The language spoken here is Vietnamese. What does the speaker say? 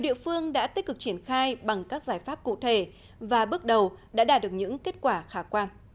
địa phương đã tích cực triển khai bằng các giải pháp cụ thể và bước đầu đã đạt được những kết quả khả quan